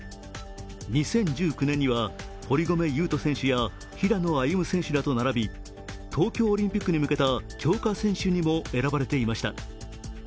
２０１９年には堀米雄斗選手や平野歩夢選手らと並び東京オリンピックに向けた強化選手にも選ばれていました。